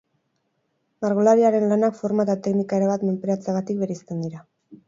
Margolariaren lanak forma eta teknika erabat menperatzeagatik bereizten dira.